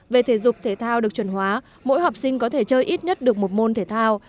về thể dục thể thao được chuẩn hóa mỗi học sinh có thể chơi ít nhất được một môn thể thao